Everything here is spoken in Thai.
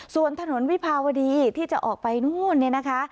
ส่วนถนนวิภาวดีที่จะออกไปนู่นเนี่ยนะคะ